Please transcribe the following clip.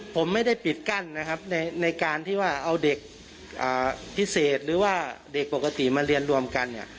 ผมไม่ได้ปิดกั้นนะครับในการที่ว่าเอาเด็กพิเศษหรือว่าเด็กปกติมาเรียนรวมกันเนี่ย